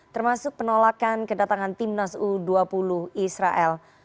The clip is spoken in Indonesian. termasuk penolakan kedatangan timnas u dua puluh israel